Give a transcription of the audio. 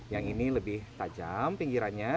yang ini lebih tajam pinggirannya